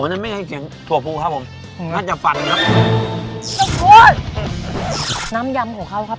นั่นไม่ใช่เสียงถั่วปูครับผมน่าจะฟันครับน้ำยำของเขาครับ